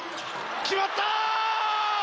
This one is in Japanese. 決まった！